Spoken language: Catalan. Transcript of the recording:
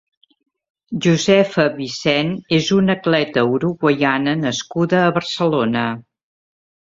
Josefa Vicent és una atleta uruguaiana nascuda a Barcelona.